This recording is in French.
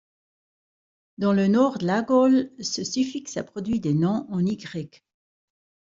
Dans le nord de la Gaule ce suffixe a produit des noms en -y.